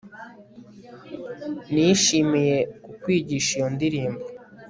Nishimiye kukwigisha iyo ndirimbo